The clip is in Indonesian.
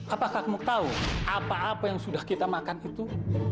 apakah kamu tahu apa apa yang sudah kita makan itu